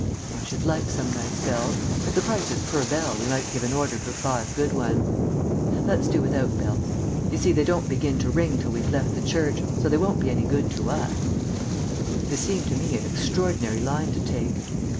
"I should like some nice bells. If the price is 'per bell' we might give an order for five good ones." "Let's do without bells. You see, they don't begin to ring till we've left the church, so they won't be any good to us." This seemed to me an extraordinary line to take.